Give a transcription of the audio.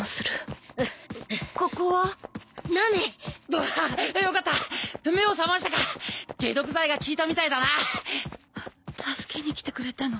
ブハッよかった目を覚ましたか解毒剤が効いたみたいだな助けに来てくれたの？